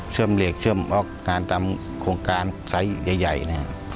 เชื่อมเหลียกเชื่อมออกงานทำโครงการไซส์ใหญ่นะครับ